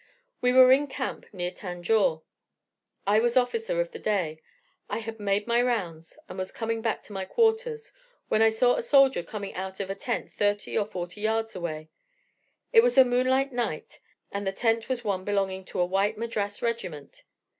We were in camp near Tanjore. I was officer of the day. I had made my rounds, and was coming back to my quarters, when I saw a soldier coming out of a tent thirty or forty yards away. It was a moonlight night, and the tent was one belonging to a white Madras regiment.